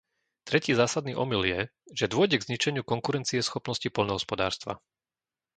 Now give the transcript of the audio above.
Tretí zásadný omyl je, že dôjde k zničeniu konkurencieschopnosti poľnohospodárstva.